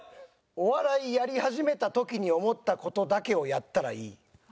お笑いやり始めた時に思った事だけをやったらいい。